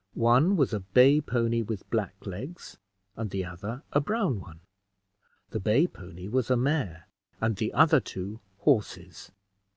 One was a bay pony with black legs, and the other a brown one. The bay pony was a mare, and the other two horses.